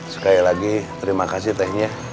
sekali lagi terima kasih tehnya